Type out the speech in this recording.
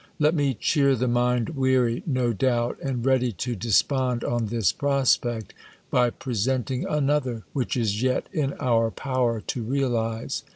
) Let me cheer the mind, weary, no doubt, and ready to despond on this prospect, by presenting another, which is yet in our power to realize.